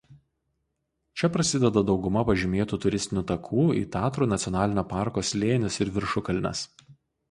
Čia prasideda dauguma pažymėtų turistinių takų į Tatrų nacionalinio parko slėnius ir viršukalnes.